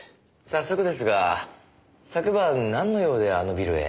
早速ですが昨晩なんの用であのビルへ？